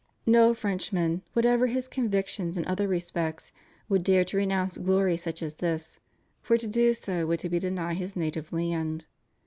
No Frenchman, whatever his convictions in other respects, would dare to renounce glory such as this, for to do so would be to deny his native land.